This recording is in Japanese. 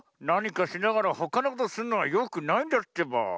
なにかしながらほかのことするのはよくないんだってば。